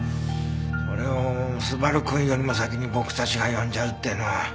それを昴くんよりも先に僕たちが読んじゃうっていうのは。